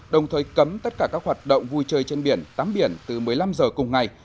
đồng thời cấm tất cả các hoạt động vui chơi trên biển tắm biển từ một mươi năm h cùng ngày